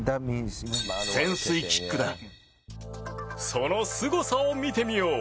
そのすごさを見てみよう。